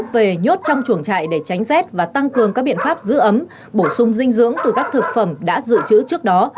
về nhốt trong chuồng trại để tránh rét và tăng cường các biện pháp giữ ấm bổ sung dinh dưỡng từ các thực phẩm đã dự trữ trước đó